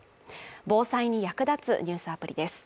防災に役立つニュースアプリです。